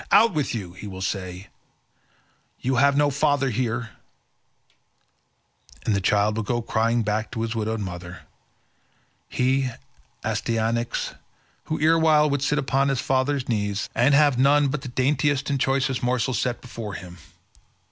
'Out with you,' he will say, 'you have no father here,' and the child will go crying back to his widowed mother—he, Astyanax, who erewhile would sit upon his father's knees, and have none but the daintiest and choicest morsels set before him.